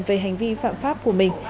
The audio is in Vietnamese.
về hành vi phạm pháp của mình